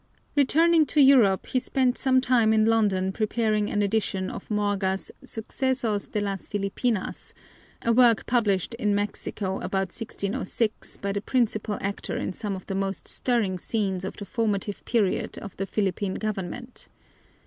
Returning to Europe, he spent some time in London preparing an edition of Morga's Sucesos de las Filipinas, a work published in Mexico about 1606 by the principal actor in some of the most stirring scenes of the formative period of the Philippine government.